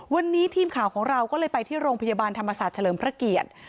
วันนี้ทีมข่าวของเราก็เลยไปที่โรงพยาบาลธรรมศาสตร์เฉลิมพระเกียรติ